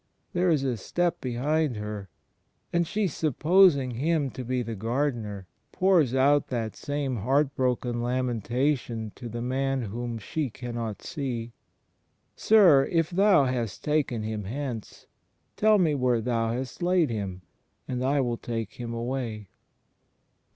There is a step behind her; and she, " supposing him to be the gardener," pours out that same heart broken lamentation to the man whom she cannot see. "Sir, if thou hast taken Him hence, tell me where thou hast laid Him; and I will take Him away."